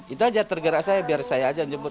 itu aja tergerak saya biar saya aja jemput